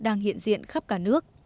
đang hiện diện khắp cả nước